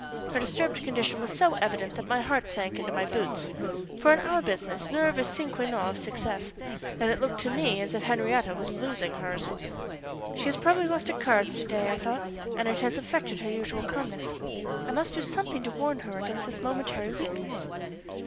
Her disturbed condition was so evident that my heart sank into my boots, for in our business nerve is a sine qua non of success, and it looked to me as if Henriette was losing hers. She has probably lost at cards to day, I thought, and it has affected her usual calmness. I must do something to warn her against this momentary weakness.